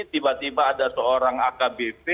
tiba tiba ada seorang akbp